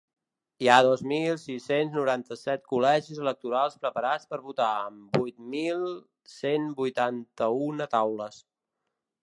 Hi ha dos mil sis-cents noranta-set col·legis electorals preparats per votar, amb vuit mil cent vuitanta-una taules.